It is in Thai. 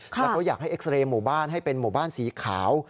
แล้วเขาอยากให้เอ็กซาเรย์หมู่บ้านให้เป็นหมู่บ้านสีขาว